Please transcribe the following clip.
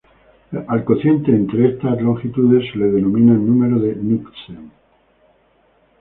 Al cociente entre estas longitudes se le denomina número de Knudsen.